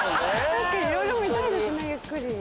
確かにいろいろ見たいですねゆっくり。